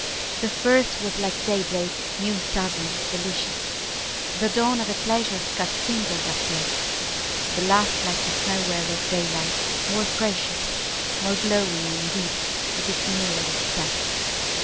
The first was like day break, new, sudden, delicious, The dawn of a pleasure scarce kindled up yet; The last like the farewell of daylight, more precious, More glowing and deep, as 'tis nearer its set.